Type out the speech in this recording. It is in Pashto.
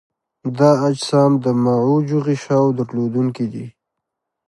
دا اجسام د معوجو غشاوو درلودونکي دي.